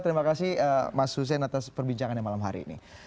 terima kasih mas hussein atas perbincangannya malam hari ini